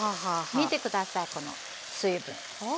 見て下さいこの水分。わ！